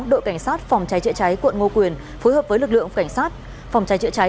đội cảnh sát phòng cháy chữa cháy quận ngô quyền phối hợp với lực lượng cảnh sát phòng cháy chữa cháy